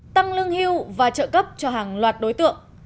tăng lương hưu và trợ cấp cho hàng loạt đối tượng